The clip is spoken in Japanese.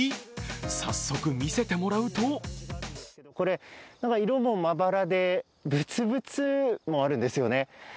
早速見せてもらうとこれ、色もまばらで、ブツブツもあるんですよね。